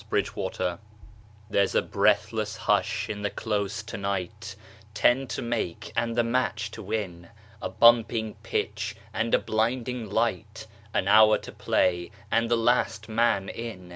Vitaï Lampada There's a breathless hush in the Close to night Ten to make and the match to win A bumping pitch and a blinding light, An hour to play and the last man in.